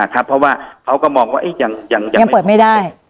เพราะว่าเขาก็มองว่ายังเปิดไม่ได้